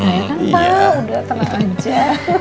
kan pa udah tenang aja